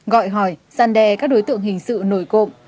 gọi hỏi gian đe các đối tượng hình sự nổi cộng